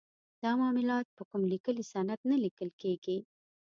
دا معاملات په کوم لیکلي سند نه لیکل کیږي.